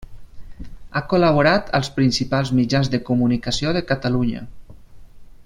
Ha col·laborat als principals mitjans de comunicació de Catalunya.